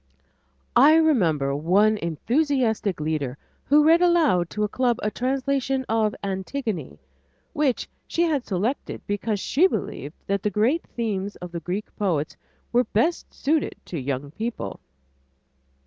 I remember one enthusiastic leader who read aloud to a club a translation of "Antigone," which she had selected because she believed that the great themes of the Greek poets were best suited to young people.